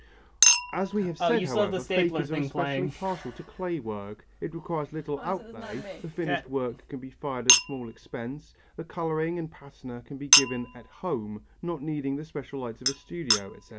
As we have said, however, fakers are especially partial to clay work. It requires little outlay, the finished work can be fired at small expense, the colouring and patina can be given "at home," not needing the special light of a studio, etc.